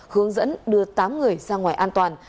hướng dẫn đưa tám người sang ngoài an toàn